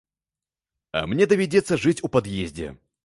А мне давядзецца жыць у пад'ездзе.